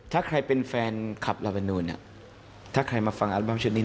ถ้าใครเป็นแฟนคลับลาบานูนเนี่ยถ้าใครมาฟังอัลบั้มชุดนี้